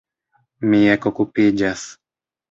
Mi ekokupiĝas.